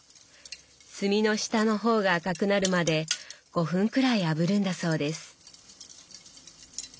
炭の下の方が赤くなるまで５分くらいあぶるんだそうです。